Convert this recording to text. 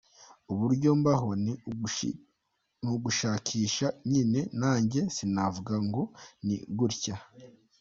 Uburyo mbaho ni ugushakisha nyine nanjye sinavuga ngo ni gutya.